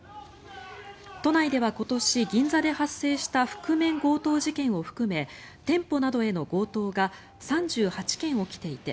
都内では今年、銀座で発生した覆面強盗事件を含め店舗などへの強盗が３８件起きていて